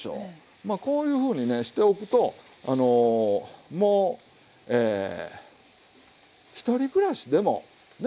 まあこういうふうにねしておくともうえ１人暮らしでもね。